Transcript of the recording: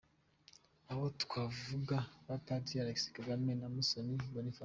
Aha twavuga ba Padiri Alexis Kagame, na Musoni Boniface.